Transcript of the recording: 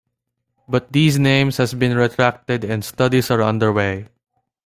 But these names has been retracted and studies are underway.